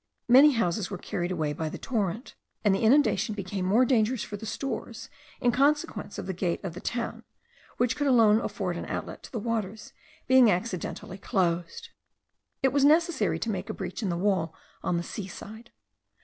Many houses were carried away by the torrent; and the inundation became the more dangerous for the stores, in consequence of the gate of the town, which could alone afford an outlet to the waters, being accidentally closed. It was necessary to make a breach in the wall on the sea side.